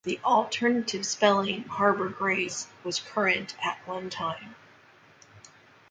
The alternative spelling Harbor Grace was current at one time.